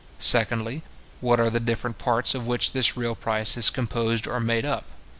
Secondly, what are the different parts of which this real price is composed or made up.